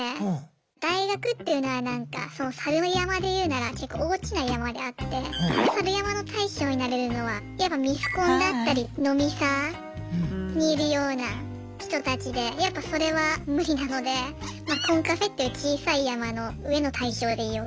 大学っていうのはサル山でいうなら結構大きな山であってサル山の大将になれるのはやっぱミスコンだったり飲みサーにいるような人たちでやっぱそれは無理なのでまあコンカフェっていう小さい山の上の大将でいようかなって。